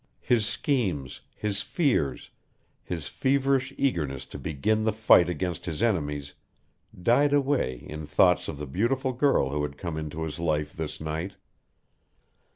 His schemes, his fears, his feverish eagerness to begin the fight against his enemies died away in thoughts of the beautiful girl who had come into his life this night.